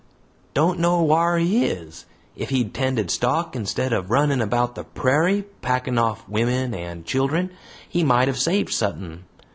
"Don't know whar he is! If he'd tended stock instead of running about the prairie, packin' off wimmin and children, he might have saved suthin.